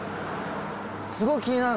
すごく気になる。